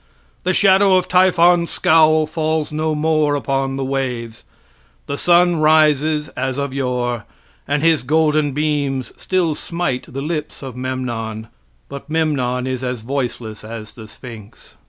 The shadow of Typhon's scowl falls no more upon the waves. The sun rises as of yore, and his golden beams still smite the lips of Memnon, but Memnon is as voiceless as the Sphinx.